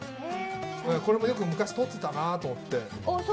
これもよく昔通ってたなと思って。